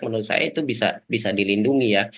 menurut saya itu bisa dilindungi ya